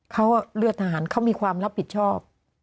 เขาเลือดทหารเขามีความรับผิดชอบ